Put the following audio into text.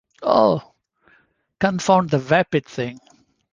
Oh, confound the vapid thing!